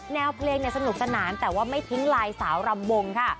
แนวเพลงสนุกสนานแต่ว่าไม่ทิ้งลายสาวรำวงค่ะ